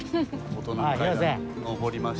大人の階段上りましたね。